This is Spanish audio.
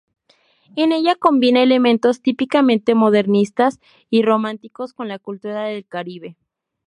En ella combina elementos típicamente modernistas y románticos con la cultura del Caribe.